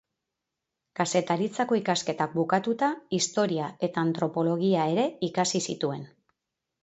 Kazetaritzako ikasketak bukatuta historia eta antropologia ere ikasi zituen.